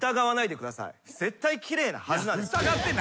絶対奇麗なはずなんです。